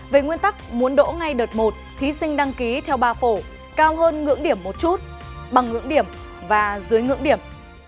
về nguyên tắc muốn đỗ ngay đợt một thí sinh đăng ký theo ba phổ cao hơn ngưỡng điểm một chút bằng ngưỡng điểm và dưới ngưỡng điểm